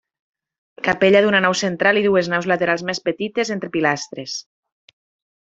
Capella d'una nau central i dues naus laterals més petites entre pilastres.